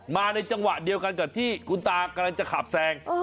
มาในจังหวะเดียวกันกับที่คุณตากำลังจะขับแซง